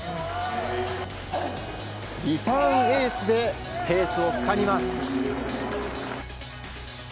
リターンエースでペースをつかみます。